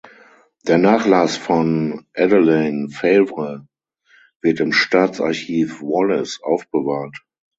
Der Nachlass von Adeline Favre wird im Staatsarchiv Wallis aufbewahrt.